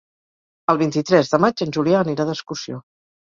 El vint-i-tres de maig en Julià anirà d'excursió.